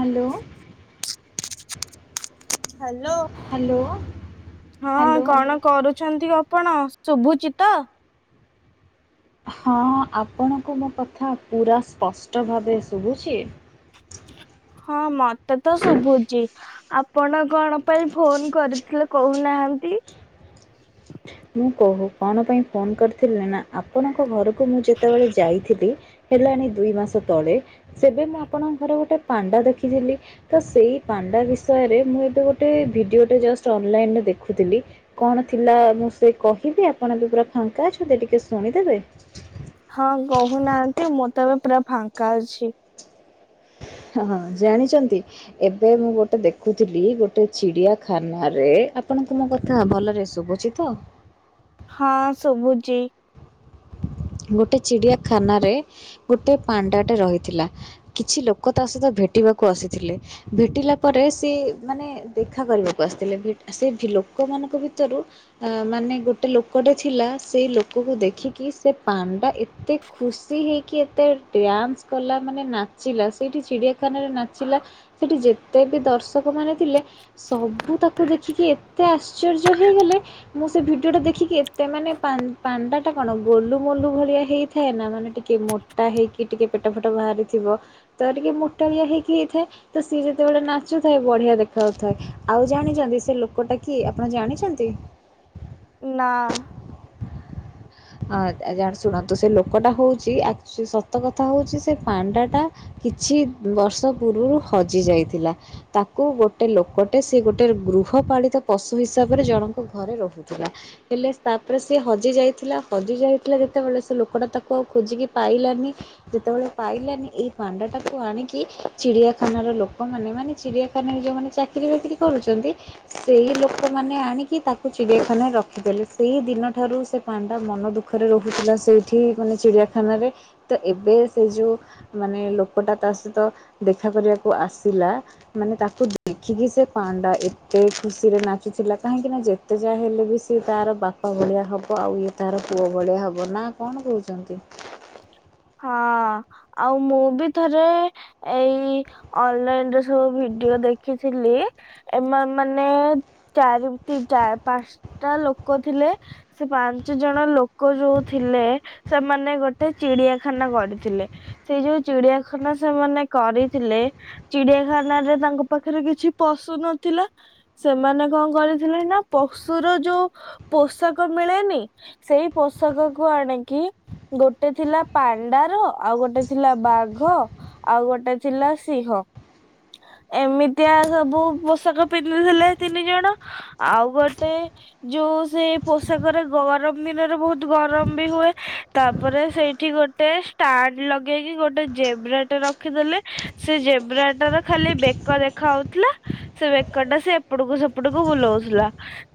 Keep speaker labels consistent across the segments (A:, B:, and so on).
A: Hello,
B: hello.
A: Hello
B: ହଁ,
A: hello
B: କଣ କରୁଛନ୍ତି ଆପ ଆପଣ ଶୁଭୁଚିତ ତ?
A: ହଁ, ଆପଣଙ୍କୁ ମୋ କଥା ପୁରା ସ୍ପଷ୍ଟ ଭାବେ ଶୁଭୁଛି?
B: ହଁ ମତେ ତ ଶୁଭୁଛି ।ଆପଣ କଣ, ପାଇଁ ଫୋନ କରିଥିଲେ କହୁନା ନାହାନ୍ତି?
A: ମୁଁ କହୁ, କଣ ପାଇଁ ଫୋନ କରିଥିଲି ନା, ଆପଣଙ୍କ ଘରକୁ ମୁଁ ଯେତେବେଳେ ଯାଇଥିଲି ହେଲାଣି ଦୁଇ ମାସ ତଳେ, ସେବେ ମୁଁ ଆପଣଙ୍କ ଘରେ ଗୋଟେ ପାଣ୍ଡା ଦେଖିଥିଲି ।ତ ସେଇ ପା ପାଣ୍ଡା ବିଷୟରେ ମୁଁ ଏବେ ଗୋଟେ ଭିଡିଓଟେ ଜଷ୍ଟ ଅନଲାଇନରେ ଦେଖୁଥିଲି ।କଣ ଥିଲା ମୁ ସେ କହିବେ? ଆପଣ ବି ପୁରା ଫାଙ୍କା ଅଛନ୍ତି ଟିକେ ଶୁଣିଦେବେ?
B: ହଁ କହୁନାହାନ୍ତି ।ମୁଁ ତ ଏବେ ପୁରା ଫାଙ୍କା ଅଛି।
A: ହଁ, ଜାଣିଛନ୍ତି ଏବେ ମୁଁ ଗୋଟେ ଦେଖୁଥିଲି। ଗୋଟେ ଚିଡିଆଖାନାରେ ଆପଣଙ୍କୁ ମୋ କଥା ଭଲରେ ଶୁଭୁଛି ତ?
B: ହଁ, ଶୁଭୁଚି।
A: ଗୋଟେ ଚିଡ଼ିଆଖାନାରେ, ଗୋଟେ ପାଣ୍ଡାଟେ ରହିଥିଲା। କିଛି ଲୋକ ତା ସହିତ ଭେଟି ବାକୁ, ଆସିଥିଲେ ।ଭେଟିଲା ପରେ ସେ ମାନେ ଦେଖା କରିବାକୁ ଆସିଥିଲେ। ଭେ-ସେ ଲୋକ ଲୋକ ମାନଙ୍କ ଭିତରୁ, ମାନେ ଗୋଟେ ଲୋକଟେ ଥିଲା। ସେଇ ଲୋକକୁ ଦେଖିକି ସେ ପାଣ୍ଡା, ଏତେ ଖୁସି ହେଇକି, ଏତେ ଡ୍ୟାନ୍ସ କଲା, ମାନେ ନାଚିଲା ସେଇଠି ଛିଡା ଏ କନରେ ନାଚିଲା ସେଠି ଯେତେ ବି ଦର୍ଶକ ମାନେ ଥିଲେ ସବୁ ତାକୁ ଦେଖିକି ଏ ଏତେ ଆଶ୍ଚର୍ଯ୍ୟ ହେଇଗଲେ ।ମୁଁ ସେ ଭିଡିଓ ଟା ଦେଖିକି ଏତେ ମାନେ ପା- ପାଣ୍ଡା ଟା କଣ? ଗୋଲୁ, ମୋଲୁ ଭଳିଆ ହେଇଥାଏ ନା । ମାନେ ଟିକେ ମୋଟା ହେଇକି, ଟିକେ ପେଟ, ଫେଟ ବାହାରିଥିବ ତ ଟିକେ, ମୋଟାଳିଆ ହେଇକି ହେଇଥାଏ ।ତ ସିଏ ଯେତେବେଳେ ନାଚୁଥାଏ ବଢିଆ ଦେଖା ଯାଉଥାଏ ।ଆଉ ଜାଣି ଛନ୍ତି ସେ ଲୋ ଲୋକଟା କିଏ, ଆପଣ ଜାଣିଛନ୍ତି?
B: ନା।
A: ଆ' ଜାଣିଛୁନା ତୁ ସେ ଲୋକଟା ହଉଛି, ଆକ-ସତ କଥା ହଉଛି ସେ ପାଣ୍ଡା ଟା କିଛି, ବର୍ଷ ପୂର୍ବରୁ ହଜି ଯାଇଥିଲା ।ତାକୁ ଗୋଟେ ଲୋକଟେ ସେ ଗୋଟେ ଗ୍ରୁପ ଗୃହପାଳିତ ପଶୁ ହିସାବରେ, ଜଣଙ୍କ ଘରେ ରହୁଥିଲା ।ହେଲେ ତା ପରେ ସେ ହଜି ଯାଇଥିଲା । ଲୋକଟା ତାକୁ ଖୋଜିକି ପାଇଲାନି। ଯେତେବେଳେ ପାଇଲାନି ଏଇ ପାଣ୍ଡା ଟାକୁ ଆଣିକି ଚିଡ଼ିଆ ଖାନାର, ଲୋକମାନେ ମାନେ ଚିଡିଆଖାନାରେ, ଯୋଉମାନେ ଚାକିରୀ ବାକିରି କରୁଛନ୍ତି, ସେଇ ଲୋକମାନେ ଆଣିକି ତାକୁ ଚିଡ଼ିଆଖାନାରେ ରଖିଦେଲେ। ସେଇ ଦିନ ଠାରୁ ସେ ପା ଣ୍ଡା ମନ ଦୁଃଖରେ ରହୁଥିଲା ସେଇଠି ମାନେ ଚିଡ଼ିଆଖାନାରେ ତ ଏବେ ସେ ଯୋଉ ମାନେ ଲୋକଟା ତା ସହିତ ଦେଖା କରିବାକୁ ଆସିଲା ମାନେ ତାକୁ ଦେଖିକି ସେ ପାଣ୍ଡା ଏତ୍ ଏତେ ଖୁସିରେ ନାଚୁଥିଲା କାହିଁକି ନା ଯେତେ ଯାହା ହେଲେ ବି ସିଏ ତାର ବାପା ଭଳିଆ ହବ। ଆଉ ଇଏ ତାର ପୁଅ ଭଳିଆ ହବ ନା କଣ କହୁଚନ୍ତି?
B: ହଁ ଆଉ ମୁଁ ବି ଥରେ ଏଇ ଅନଲାଇନ୍ ରେ ସବୁ ଭି ଡିଓ ଦେଖିଥିଲି। ଏମାନ୍ ମାନେ ଚାରି ଟି ପାଞ୍ଚଟା ଲୋ ଲୋକ ଥିଲେ। ସେ ପାଞ୍ଚ ଜଣ ଲୋକ ଯୋଉ ଥିଲେ ସେମାନେ ଗୋଟେ ଚିଡିଆ ଖାନା ଗଡିଥିଲେ। ସେଇ ଯୋଉ ଚିଡିଆଖାନା ସେମାନେ କରିଥିଲେ ଚିଡିଆଖାନାରେ ତାଙ୍କ ପାଖରେ କିଛି ପଶୁ ନଥିଲା। ସେମାନେ କଣ କରିଥିଲେ ନା ପଶୁର ଯୋଉ ପୋଷାକ ମିଳେନି ସେଇ ପୋଷାକ କୁ ଆଣିକି ଗୋଟେ ଥିଲା ପାଣ୍ଡାର, ଆଉ ଗୋଟେ ଥିଲା ବାଘ, ଆଉ ଗୋଟେ ଥିଲା ସିଂହ। ଏମିତିଆ ସବୁ ପୋଷାକ ପିନ୍ଧୁଥିଲେ ତିନି ଜଣ ଆଉ ଗୋଟେ ଯୋଉ ସେଇ ପୋଷାକରେ ଗରମ ଦିନରେ ବହୁତ ଗରମ ବି ହୁଏ। ତାପରେ ସେଇ ଠି ଗୋଟେ ଷ୍ଟାଣ୍ଡ ଲଗେଇକି ଗୋଟେ ଜେବ୍ରା ଟା ରଖିଦେଲେ ସେ ଜେବ୍ରାଟ ର ଖାଲି ଲି ବେକ ଦେଖା ହଉଥିଲା। ସେ ବେକ ଟା ସେ ଏପଟକୁ ସେପଟକୁ ବୁଲଉଥିଲା।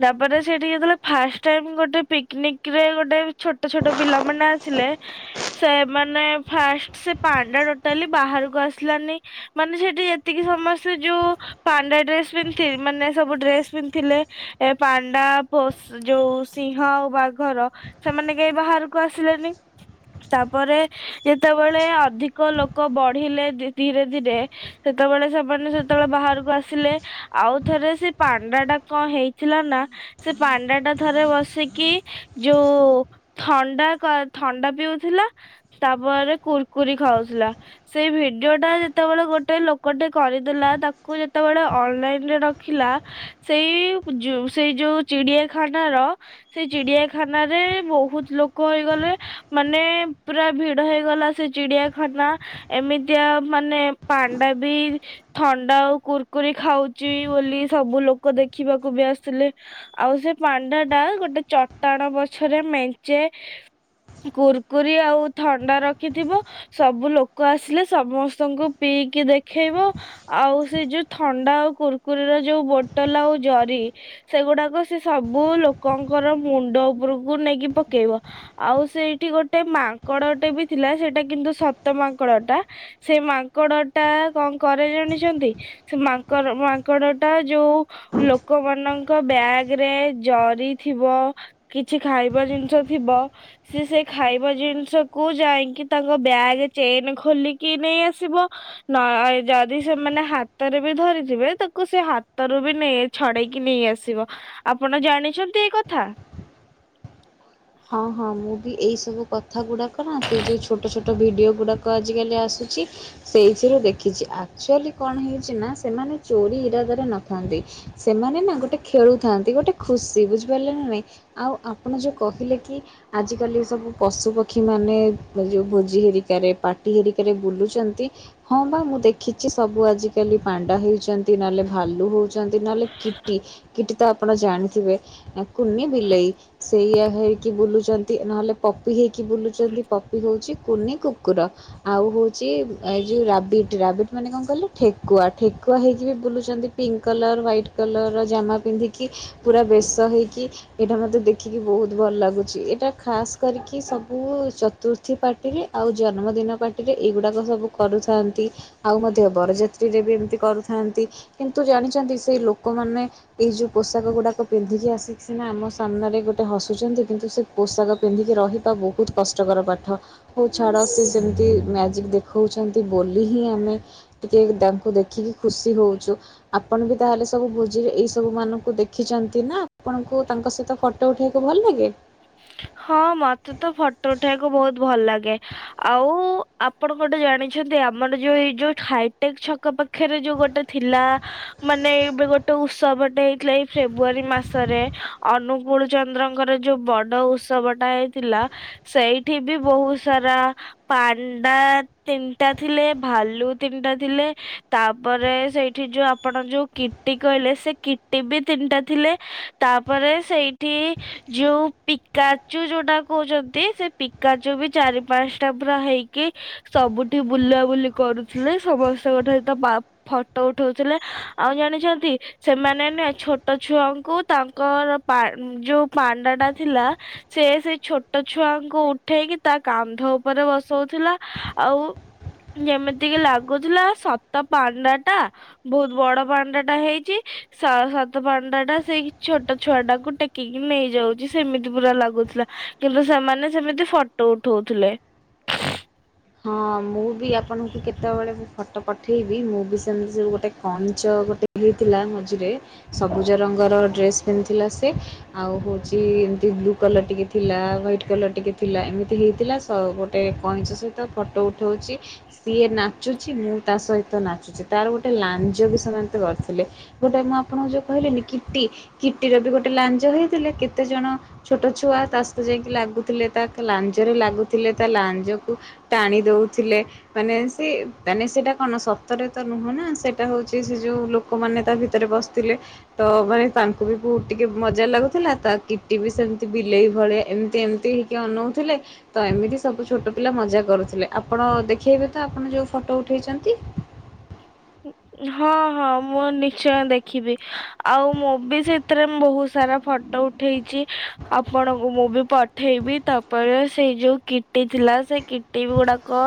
B: ତାପରେ ସେଠି ଯେତେବେଳେ ଫାଷ୍ଟ ଟାଇମ ଗୋଟେ ପିକନିକରେ ଗୋଟେ ଛୋଟ ଛୋଟ ପିଲା ମାନେ ଆସିଲେ
A: ହଁ [inaudible]
B: ସେମାନେ ଫାଷ୍ଟ ସେ ପାଣ୍ଡା ଟୋଟାଲି ବାହାରକୁ ଆସିଲାନି ମାନେ ସେଠି ଏତିକି ସ ସମସ୍ତେ ଯୋଉ ପାଣ୍ଡା ଡ୍ରେସ ପିନ୍ଧଥି ମାନେ ସବୁ ଡ୍ରେସ ପିନ୍ଧିଥିଲେ ଏ ପାଣ୍ଡା ପଶ୍ ଯୋଉ ସିଂହ ଆଉ ବାଘର ସେମାନେ କେହି ବାହାରକୁ ଆସିଲେନି। ତାପରେ ଯେତବେଳେ ଅଧିକ ଲୋକ ବଢିଲେ ଯେ ଧୀରେ ଧୀରେ ସେତ୍ ସେତବେଳେ ସେମାନେ ସେତବେଳେ ବାହାରକୁ ଆସିଲେ ଆଉ ଥରେ ସେ ପାଣ୍ଡା ଟା କଣ ହେଇଥିଲା ନା? ସେ ପାଣ୍ଡା ଟା ଥରେ ବସିକି ଯୋଉ ଥଣ୍ଡା କା ଥଣ୍ଡା ପିଉଥିଲା ତାପରେ କୁୁରକୁରି ଖାଉଥିଲା ସେଇ ଭିଡିଓ ଟା ଯେତବେଳେ ଗୋଟେ ଲୋକ କଟେ କରିଦେଲା ତାକୁ ଯେତବେଳେ ଅନଲାଇନରେ ରଖିଲା ସେଇ ପୁଜୁ ସେଇ ଯୋଉ ଚିଡିଆଖାନାର ସେଇ ଚିଡିଆଖାନାରେ ବହୁତ ଲୋକ ହେଇଗଲେ। ମାନେ ପୁରା ଭିଡ ହେଇଗଲା ସେ ଚିଡିଆଖାନା । ଏମିତିଆ ମାନେ ପାଣ୍ଡା ବି ଥଣ୍ଡା ଆଉ କୁୁରକୁରି ଖାଉଚି ବୋଲି ସବୁ ଲୋକ ଦେଖିବାକୁ ବି ଆସିଥିଲେ। ଆଉ ସେ ପାଣ୍ଡାଟା ଗୋଟେ ଚଟାଣ ବଛରେ ମେଞ୍ଚେ କୁୁରକୁରି ଆଉ ଥଣ୍ଡା ରଖିଥିବ ସବୁ ଲୋକ ଆସିଲେ ସମସ୍ତଙ୍କୁ ପିଇ କି ଦେଖେଇବ ଆଉ ସେ ଯୋଉ ଥଣ୍ଡା ଆଉ କୁୁରକୁୁରିର ଯୋଉ ବୋଟଲ ଆଉ ଜରି ସେଗୁଡାକ ସେ ସବୁ ଲୋକଙ୍କର ମୁଣ୍ଡ ଉପରକୁ ନେଇକି ପକେଇବ ଆଉ ସ ସେଇଠି ଗୋଟେ ମାଙ୍କଡଟେ ବି ଥିଲା ସେଇଟା କିନ୍ତୁ ସତ ମାଙ୍କଡ଼ ଟା ସେ ମାଙ୍କଡ ଟା କଣ କରେ ଜାଣିଛନ୍ତି ସେ ମାଙ୍କର ମାଙ୍କଡ ଟା ଯୋଉ ଲୋକମାନ ଙ୍କ ବ୍ୟାଗ ରେ ଜରି ଥିବ କିଛି ଖାଇବା ଜିନିଷ ଥିବ ସିଏ ସେ ଖାଇବା ଜିନିଷକୁୁ ଯାଇକି ତାଙ୍କ ବ୍ୟାଗ ଚେନ ଖୋଲିକି ନେଇ ଆସିବ। ନାଇ ଯଦି ସେମାନେ ହାତରେ ବି ଧରିଥିବେ ତାକୁ ସେ ହାତରୁ ବି ନେଇଯାଏ ଛଡେଇକି ନେଇ ଆସିବ, ଆପଣ ଜାଣିଛନ୍ତି ଏଇ କଥା?
A: ହଁ ହଁ ମୁଁ ବି ଏଇ ସବୁ କଥା ଗୁଡାକ ନା ସେଇ ଯୋଉ ଛୋଟ ଛୋ ଟ ଭିଡିଓ ଗୁଡାକ ଆଜିକାଲି ଆସୁଚି ସେଇଥିରୁ ଦେଖିଚି ଆକ୍ଚୁଆଲୀ କଣ ହେଇଚି ନା ସେମା ମାନେ ଚୋରି ଇରାଦାରେ ନଥାନ୍ତି, ସେମାନେ ନା ଗୋଟେ ଖେଳୁଥାନ୍ତି, ଗୋଟେ ଖୁସି ବୁଝିପାରିଲେ ନା ନାଇଁ। ଆଉ ଆପଣ ଯୋଉ କହିଲେ କି ଆଜିକାଲି ସବୁ ପଶୁପକ୍ଷୀ ମାନେ ଯୋଉ ଭୋଜି ହେରିକାରେ ପାର୍ଟି ହେରିକା ରେ ବୁଲୁଚନ୍ତି ହଁ ବା ମୁଁ ଦେଖିଚି ସବୁ ଆଜିକାଲି ପାଣ୍ଡା ହଉଚନ୍ତି ନହଲେ ଭାଲୁ ହ ଉଚନ୍ତି ନହେଲେ କିଟି, କିଟି ତ ଆପଣ ଜାଣିଥିବେ କୁନି ବିଲେଇ ସେଇଆ ହେଇକି ବୁଲୁଚନ୍ତି ନହେଲେ ପପି ହେଇକି ବୁଲୁଚନ୍ତି। ପପି ହଉଚି କୁନି କୁକୁର ଆଉ ହୋଉଚି ଏ ଯୋଉ ରାବିଟ, ରାବିଟ ମାନେ କଣ କହିଲ ଠେକୁଆ, ଠେକୁଆ ହେଇକି ବି ବୁଲୁଚନ୍ତି pink colour, white colour ର ଜାମା ପିନ୍ଧିକି, ପୁରା ବେଶ ହେଇକି, ଏଇଟା ମତେ ଦେଖିକି ବହୁତ ଭଲ ଲାଗୁଚି । ଏଇଟା ଖାସ୍ କରିକି ସବୁ ଚତୁର୍ଥୀ ପାର୍ଟିରେ ଆଉ ଜନ୍ମଦିନ ପାର୍ଟିରେ ଏଇଗୁଡାକ ସବୁ କରୁଥାନ୍ତି। ଆଉ ମଧ୍ୟ ବରଯାତ୍ରୀରେ ବି ଏମିତି କରୁଥାନ୍ତି କିନ୍ତୁ ଜଣେ ଅଛନ୍ତି ସେଇ ଲୋକମାନେ ଏଇ ଯୋଉ ପୋଷାକ ଗୁଡାକ ପିନ୍ଧିକି ଆସିକି ସିନା ଆମ ସାମ୍ନାରେ ଗୋଟେ ହସ ପିଛନ୍ତି କିନ୍ତୁ ସେ ପୋଷାକ ପିନ୍ଧିକି ରହିବା ବହୁତ କଷ୍ଟକର ପାଠ। ହଉ ଛାଡ ସେ ଯେମିତି ମ୍ୟାଜିକ ଦେଖ ହଉଛନ୍ତି ବୋଲି ହିଁ ଆମେ ଟିକେ ତାଙ୍କୁ ଦେଖିକି ଖୁସି ହଉଛୁ ଆପଣ ବି ତାହେଲେ ସବୁ ଭୋଜିରେ ଏଇ ସବୁ ମାନଙ୍କୁ ଦେଖିଛନ୍ତି ନା, ଆପଣଙ୍କୁ ତାଙ୍କ ସହିତ ଫଟୋ ଉଠେଇବାକୁ ଭଲ ଲାଗେ?
B: ହଁ ମତେ ତ ଫଟୋ ଉଠେଇବାକୁ ବହୁତ ଭଲ ଲାଗେ, ଆଉ ଆପଣ ଗୋଟେ ଜାଣିଛନ୍ତି ସେ ଆମର ଯୋଉ ଏଇ ଯୋଉ ହାଇଟେକ୍ ଛକ ପାଖରେ ଯୋଉ ଗୋଟେ ଥିଲା ମାନେ ଏବେ ଗୋଟେ ଉତ୍ସ ଉତ୍ସବ ଟେ ହେଇଥିଲା ଏଇ ଫେବୃଆରୀ ମାସରେ ଅନୁକୁଳ ଚନ୍ଦ୍ରଙ୍କର ଯୋଉ ବ ଡ ଉତ୍ସବ ଟା ହେଇଥିଲା ସେଇଠି ବି ବହୁତ ସାରା ପାଣ୍ଡା ତିନିଟା ଥିଲେ ଭାଲୁ ତିନିଟା ଥିଲେ ତାପରେ ସେଇଠି ଯୋଉ ଆପଣ ଯୋଉ କି ଟି କହିଲେ ସେ କିଟି ବି ତିନିଟା ଥିଲେ ତାପରେ ସେଇଠି ଯୋଉ ପିକାଚୁ ଯୋଉଟା କହୁଛନ୍ତି ସେ ପିକାଚୁ ବି ଚାରି ପାଞ୍ଚଟା ପୁରା ହେଇକି ସ ସବୁଠି ବୁଲାବୁଲି କରୁଥିଲେ ସମସ୍ତଙ୍କ ସହିତ ବା ଫଟୋ ଉଠାଉଥିଲେ ଆଉ ଜାଣି ଛନ୍ତି ସେମାନେ ନା ଛୋଟ ଛୁଆଙ୍କୁ ତାଙ୍କର ପା ଉଁ ଯୋଉ ପାଣ୍ଡା ଟା ଥିଲା ସେ ସେଇ ଛୋଟ ଛୁଆଙ୍କୁ ଉଠେଇକି ତା କାନ୍ଧ ଉପରେ ବସଉଥିଲା। ଆଉ ଯେମିତିକି ଲାଗୁଥିଲା ସତ ପାଣ୍ଡା ଟା ବହୁତ ବଡ ପାଣ୍ଡା ଟା ହେଇଛି। ସ ସତ ପାଣ୍ଡା ଟା ସେଇ ଛୋଟ ଛୁଆ ଟାକୁ ଟେକିକି ନେଇଯାଉଛି। ସେମିତି ପୁରା ଲାଗୁଥିଲା କିନ୍ତୁ ସେମାନେ ସେମିତି ଫଟୋ ଉଠଉଥିଲେ।
A: ହଁ ମୁଁ ବି ଆପଣଙ୍କୁ କେତେବେଳେ ବି ଫଟୋ ପଠେଇବି ମୁଁ ବି ସେମିତି ସବୁ ଗୋଟେ କଇଁଛ ଆଉ ଗୋଟେ ହେଇଥିଲା ମଝିରେ ସବୁଜ ରଙ୍ଗର ଡ୍ରେସ୍ ପିନ୍ଧିଥିଲା ସେ ଆଉ ହଉଛି ଏମତି ବ୍ଲୁ କଲର ଟିକେ ଥିଲା ହ୍ଵାଇଟ୍ କଲର ଟିକେ ଥିଲା ଏମିତି ହେଇଥିଲା ସ ଗୋଟେ କଇଁଛ ତ ଫଟୋ ଉଠଉଛି ସିଏ ନାଚୁଛି ମୁଁ ତା ସହିତ ନାଚୁଛି ତାର ଗୋଟେ ଲାଞ୍ଜ ବି ସ ଏମିତି କରୁଥିଲେ ଗୋଟେ ମୁଁ ଆପଣଙ୍କୁ ଯୋଉ କହିଲିନି କିଟି, କିଟିର ବି ଗୋଟେ ଲାଞ୍ଜ ହୋଇଥିଲେ କେତେ ଯେ କଣ ଛୋଟ ଛୁଆ ତା ସହିତ ଯାଇକି ଲାଗୁଥିଲେ ତା ଲାଞ୍ଜ ରେ ଲାଗୁଥିଲେ ତା ଲାଞ୍ଜକୁ ଟାଣି ଦଉଥିଲେ ମାନେ ସେ ମାନେ ସେଟା କଣ ସତରେ ତ ନୁହଁ ନା ସେଟା ହଉଛି ସେ ଯୋଉ ଯୋଉ ଲୋକମାନେ ତା ଭିତରେ ବସିଥିଲେ ତ ମାନେ ତାଙ୍କୁ ବି ବହୁତ ଟିକେ ମଜା ଲାଗୁଥିଲା ତା କି ଏ ବି ସେମିତି ବିଲେଇ ଭଳିଆ ଏମିତି ଏମିତି ହେଇକି ଅନଉଥିଲେ ତ ଏମିତି ସବୁ ଛୋଟ ପିଲା ମଜା କରୁ ଥୁଲେ ଆପଣ ଦେଖେଇବେ ତ ଆପଣ ଯୋଉ ଫଟୋ ଉଠେଇଛନ୍ତି?
B: ହଁ, ହଁ, ମୁଁ ନିଶ୍ଚୟ ଦେଖିବି ଆଉ ମୁଁ ବି ସେଥିରେ ବହୁତ ସାରା ଫଟୋ ଉ ଉଠେଇଛି ଆପଣଙ୍କୁ ମୁଁ ବି ପଠେଇବି ତାପରେ ସେଇ ଯୋଉ କିଟି ଥିଲା ସେ କିଟି ଗୁଡାକ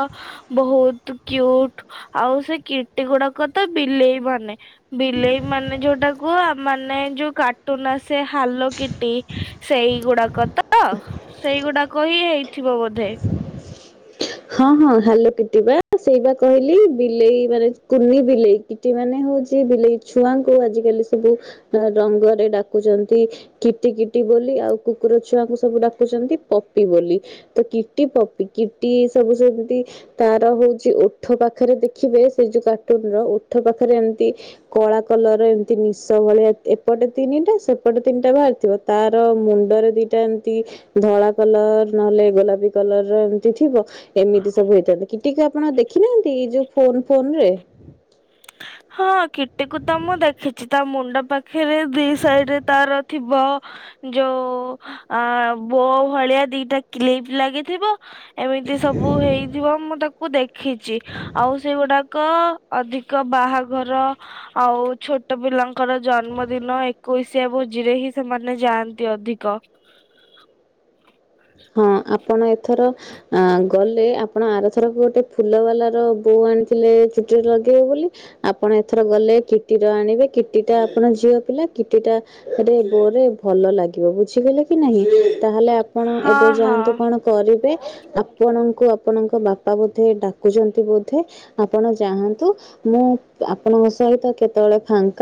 B: ବହୁତ କ୍ୟୁ କ୍ୟୁଟ ଆଉ ସେ କି ଏ ଗୁଡାକ ତ ବିଲେଇ ମାନେ ବିଲେଇ ମାନେ ଯୋଉଟା କୁହ ମାନେ ଯୋଉ କାର୍ଟୁନ ଆସେ ହେଲା କିଟି ସେଇଗୁଡା କ ତ ସେଇଗୁଡାକ ହି ହେଇଥିବ ବୋଧେ।
A: ହଁ, ହଁ, ହାଲୋ କିଟି ବା ସେଇ ବା କହିଲି ବିଲେଇ ମାନେ କୁନି ବିଲେଇ କିଟି ମାନେ ମୁଁ ସେ ବିଲେଇ ଛୁଆଙ୍କୁ ଆଜିକାଲି ସବୁ ରଙ୍ଗରେ ଡାକୁଛନ୍ତି କିଟି କିଟି ବୋଲି ଆଉ କୁକୁର ଛୁଆଙ୍କୁ ସବୁ ଡାକୁଛନ୍ତି ପପି ବୋଲି ତ କିଟି ପପି କି ଟି ସବୁ ସେମିତି ତାର ହଉଛି ଓଠ ପାଖରେ ଦେଖିବେ ସେ ଯୋଉ କାର୍ଟୁନ ର ଓଠ ପାଖ ରେ ଏମିତି କଳା କଲରେ ଏମିତି ନିଶ ଭଳିଆ ଏପଟେ ତିନିଟା ସେପଟେ ତିନିଟା ବାହାରିଥିବ। ତାର ମୁଣ୍ଡରେ ଦିଟା ଏମିତି ଧଳା କଲର ନହେଲେ ଗୋଲାପୀ କଲରର ଥି ଥିବ ଏମିତି ସବୁ ହୋଇଥିଏ କିଟି ଆପଣ ଦେଖିନାହାନ୍ତି ଯୋଉ ଫୋନ ଫୋନରେ?
B: ହଁ କିଟିକୁ ତ ମୁଁ ଦେଖିଛି ତା ମୁଣ୍ଡ ପାଖରେ ଦି ସାଇଡରେ ତାର ଥିବ। ଯୋଉ ଆ ବୋ ଭଳିଆ ଦିଟା କ୍ଲିପ୍ ଲାଗିଥିବ। ଏମିତି ସବୁ ହେଇଥିବ ମୁଁ ତାକୁ ଦେଖିଛି ଆଉ ସେଗୁଡା କ ଅଧିକ ବାହା ଘର ଆଉ ଛୋଟ ପିଲାଙ୍କର ଜନ୍ମ ଦିନ ଏକୋଇଶିଆ ଭୋଜିରେ ହିଁ ସେମାନେ ଯା ଯାଆନ୍ତି ଅଧିକ।
A: [inaudible] ହଁ ଆପଣ ଏଥର ଗଲେ ଆପଣ ଆରଥର କୁ ଗୋଟେ ଫୁଲ ବାଲାର ବୋ ଆଣି ଥିଲେ ଚୁଟି ରେ ଲଗେଇବ ବୋଲି ଆପଣ ଏଥର ଗଲେ କିଟିର ଆଣିବେ କିଟି ଟା ଆପଣ ଝିଅ ପିଲା। କିଟିଟା ଗୋଟେ ବୋ ରେ ଭଲ ଲାଗିବ ବୁଝିଗଲେ କି ନାହିଁ ତାହେଲେ ଆପଣ
B: ହଁ
A: ଏବେ
B: ହଁ।
A: ଯାଆନ୍ତୁ କଣ କ ରିବେ ଆପଣଙ୍କୁ ଆପଣଙ୍କ ବାପା ବୋଧେ ଡାକୁଚନ୍ତି ବୋଧେ ଆପଣ ଯାଆନ୍ତୁ। ମୁଁ ଆପଣଙ୍କ ସହିତ କେତେବେଳେ ଫାଙ୍କା